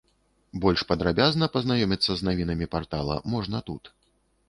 Больш падрабязна пазнаёміцца з навінамі партала можна тут.